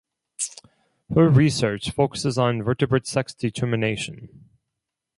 Her research focuses on vertebrate sex determination.